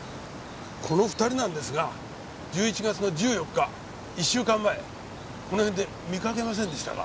この２人なんですが１１月の１４日１週間前このへんで見かけませんでしたか？